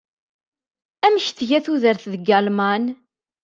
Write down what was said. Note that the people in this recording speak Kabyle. Amek tga tudert deg Alman?